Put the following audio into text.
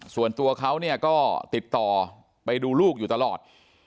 ส่วนตัวเขาก็ติดต่อไปดูลูกอยู่ตลอด